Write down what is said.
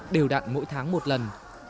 đều đặn mỗi tháng một lần